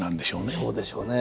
そうでしょうね。